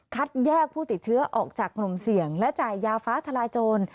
แยกผู้ติดเชื้อออกจากกลุ่มเสี่ยงและจ่ายยาฟ้าทลายโจร